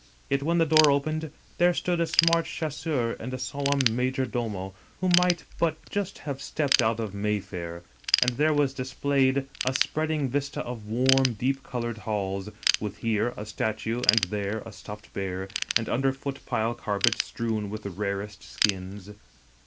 Yet when the door opened^ there stood a smart chasseur and a solemn major domo who might but just have stepped out of May fair; and there was displayed a spreading vista of warm, deep colored halls, with here a statue and there a stuffed bear, and under foot pile carpets strewn with rarest skins.